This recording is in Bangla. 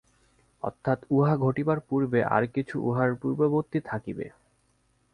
অর্থাৎ উহা ঘটিবার পূর্বে আর কিছু উহার পূর্ববর্তী থাকিবে।